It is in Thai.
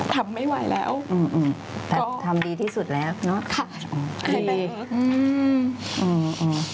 ทำไม่ไหวแล้วอืมอืมทำดีที่สุดแล้วเนาะค่ะอืม